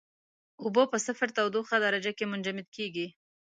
اوبه په صفر تودوخې درجه کې منجمد کیږي.